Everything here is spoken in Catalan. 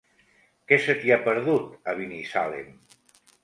Què se t'hi ha perdut, a Binissalem?